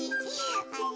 あれ？